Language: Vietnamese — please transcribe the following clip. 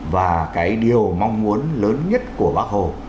và cái điều mong muốn lớn nhất của bác hồ